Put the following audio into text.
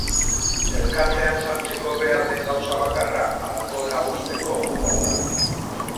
Elkartean sartzeko behar den gauza bakarra, alkohola uzteko gogoa da.